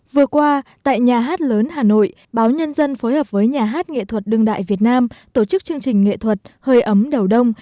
vừa qua tại nhà hát lớn hà nội báo nhân dân phối hợp với nhà hát nghệ thuật đương đại việt nam tổ chức chương trình nghệ thuật hơi ấm đầu đông